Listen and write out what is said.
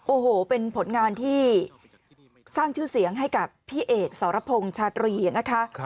โอ้โหเป็นผลงานที่สร้างชื่อเสียงให้กับพี่เอกสรพงศ์ชาตรีนะคะ